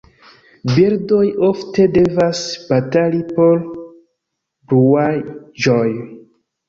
Birdoj ofte devas batali por bluaĵoj.